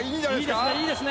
いいですね。